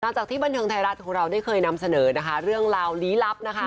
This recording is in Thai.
ตามจากที่บันทึงไทยรัฐของเราได้เคยนำเสนอเรื่องราวหลีลับ